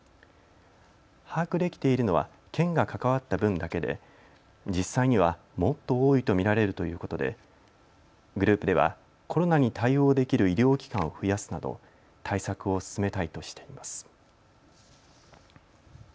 把握できているのは県が関わった分だけで実際には、もっと多いと見られるということでグループではコロナに対応できる医療機関を増やすなど対策を進めたいとしています。